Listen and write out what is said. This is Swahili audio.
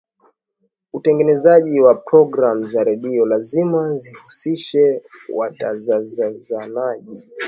utengenezaji wa programu za redio lazima zihusishe watazazanaji